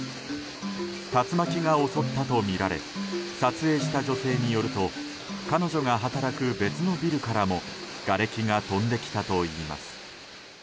竜巻が襲ったとみられ撮影した女性によると彼女が働く別のビルからもがれきが飛んできたといいます。